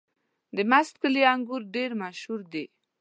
د میست کلي انګور ډېر مشهور دي.